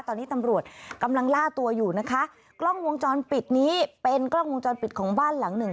ตอนนี้ตำรวจกำลังล่าตัวอยู่นะคะกล้องวงจรปิดนี้เป็นกล้องวงจรปิดของบ้านหลังหนึ่ง